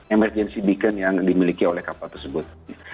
emergency beacon yang dimiliki oleh kapal tersebut